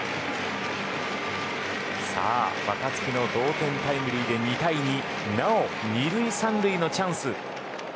若月の同点タイムリーで２対２なお２塁３塁のチャンス。